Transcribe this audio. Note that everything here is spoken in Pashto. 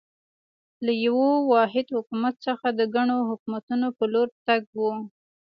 له یوه واحد حکومت څخه د ګڼو حکومتونو په لور تګ و.